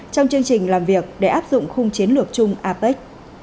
trong chương trình làm việc để áp dụng khung chiến lược chung apec